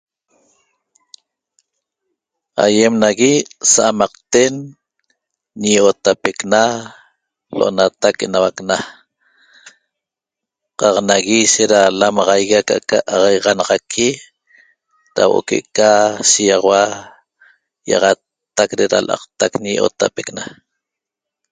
Aiem nagui sa'amaqten Ñi Io'otapecna lo'onatac 'Enauacna qaq nagui ishet ra lamaxaigui aca'aca axaiaxanaxaqui ra huo'o que'eca shigaxaua iaxattac re'era la'aqtac Ñi Io'otapecna